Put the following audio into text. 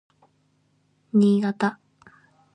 新潟